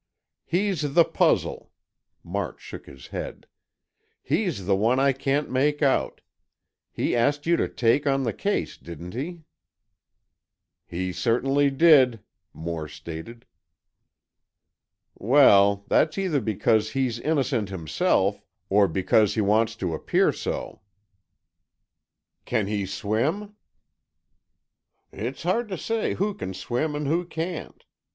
"He's the puzzle." March shook his head. "He's the one I can't make out. He asked you to take on the case, didn't he?" "He certainly did," Moore stated. "Well, that's either because he's innocent himself, or because he wants to appear so." "Can he swim?" "It's hard to say who can swim and who can't.